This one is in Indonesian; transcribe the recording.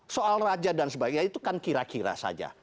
soal raja dan sebagainya itu kan kira kira saja